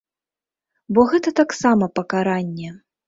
Бо гэта таксама пакаранне.